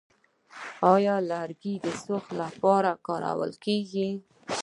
آیا لرګي د سوخت لپاره کارول کیږي؟